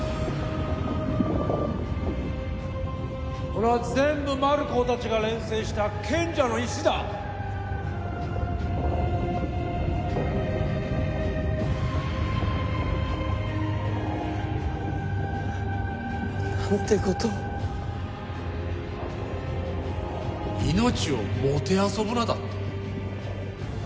これは全部マルコー達が錬成した賢者の石だ！なんてことを「命をもてあそぶな」だって？